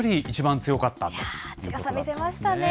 強さ見せましたね。